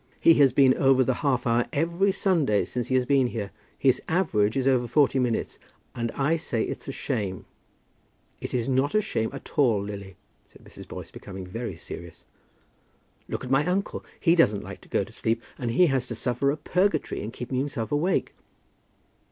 "He has been over the half hour every Sunday since he has been here. His average is over forty minutes, and I say it's a shame." "It is not a shame at all, Lily," said Mrs. Boyce, becoming very serious. "Look at my uncle; he doesn't like to go to sleep, and he has to suffer a purgatory in keeping himself awake."